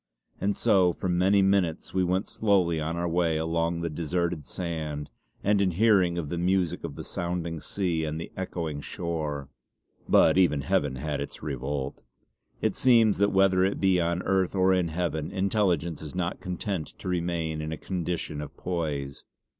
And so for many minutes we went slowly on our way along the deserted sand, and in hearing of the music of the sounding sea and the echoing shore. But even Heaven had its revolt. It seems that whether it be on Earth or in Heaven intelligence is not content to remain in a condition of poise.